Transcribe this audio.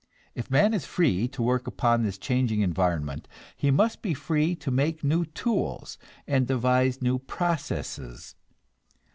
If man is free to work upon this changing environment, he must be free to make new tools and devise new processes.